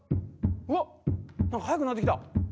うわっ何か速くなってきた。